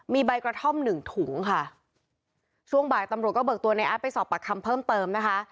มีใบกระท่อมหนึ่งถุงค่ะช่วงบ่ายตำรวจก็เบิกตัวในอาร์ตไปสอบปากคำเพิ่มเติมนะคะ